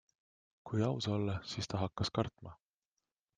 Kui aus olla, siis ta hakkas kartma.